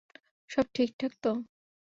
সব ঠিকঠাক তো?